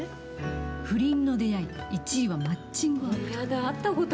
不倫の出会い１位はマッチングアプリ。